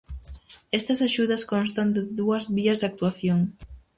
Estas axudas constan de dúas vías de actuación.